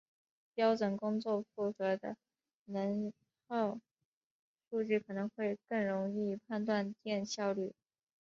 标准工作负荷的能耗数据可能会更容易判断电效率。